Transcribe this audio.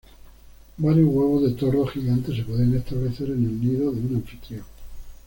Varios huevos de tordo gigante se pueden establecer en el nido de un anfitrión.